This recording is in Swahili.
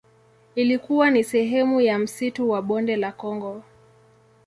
Ilikuwa ni sehemu ya msitu wa Bonde la Kongo.